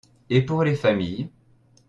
Et pour les familles.